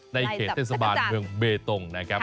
ในเขตเทศบาลเมืองเบตงนะครับ